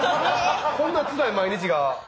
こんなつらい毎日が。